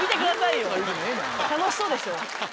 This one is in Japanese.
楽しそうでしょ。